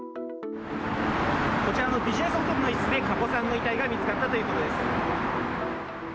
こちらのビジネスホテルの一室で加古さんの遺体が見つかったということです。